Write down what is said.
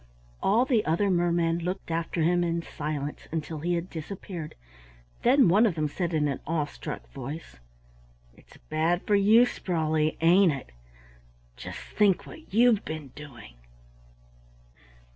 All the other mermen looked after him in silence until he had disappeared; then one of them said in an awe struck voice, "It's bad for you, Sprawley, ain't it? Just think what you've been doing."